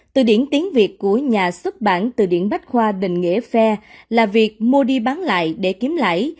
từ điển tiếng việt của nhà xuất bản từ điển bách khoa định nghĩa phe là việc mua đi bán lại để kiếm lấy